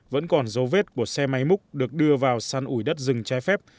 vẫn còn dấu vết của xe máy múc được đưa vào săn ủi đất rừng trái phép